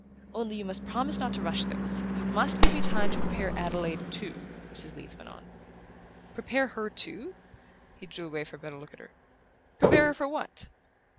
"Only you must promise not to rush things. You must give me time to prepare Adelaide too," Mrs. Leath went on. "Prepare her too?" He drew away for a better look at her. "Prepare her for what?"